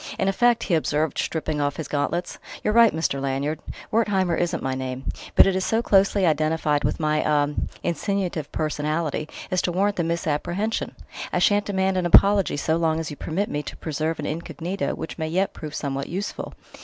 "In effect," he observed, stripping off his gauntlets, "you're right, Mr. Lanyard. 'Wertheimer' isn't my name, but it is so closely identified with my ah insinuative personality as to warrant the misapprehension. I shan't demand an apology so long as you permit me to preserve an incognito which may yet prove somewhat useful."